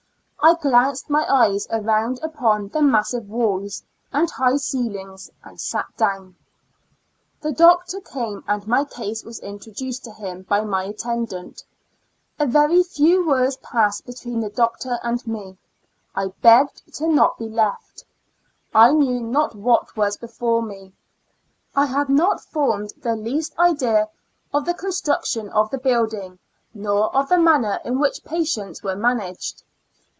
I glanced my eyes around upon the massive walls, and high ceilings, and sat down. The doctor came, and my case was introduced to him by my attendant; a very few words passed between the doctor and me ; I begged to not be left ; I knew not what was before me ; I had not formed the least idea of the construction of the buildinof, nor of the manner in which patients were managed.